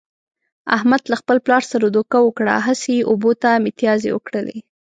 احمد له خپل پلار سره دوکه وکړه، هسې یې اوبو ته متیازې و کړلې.